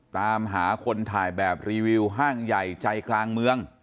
ตามหาคนถ่ายแบบรีวิวห้างใหญ่ใจกลางเมือง